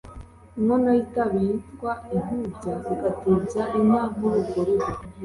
Inkono y’itabi yitwa intubya igatubya inka muri urwo rugo